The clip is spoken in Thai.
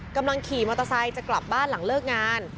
กำลังขี่มอเตอร์ไซค์จะกลับบ้านหลังเลิกงาน